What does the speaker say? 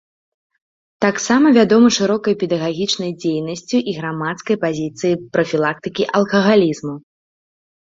Таксама вядомы шырокай педагагічнай дзейнасцю і грамадзянскай пазіцыяй прафілактыкі алкагалізму.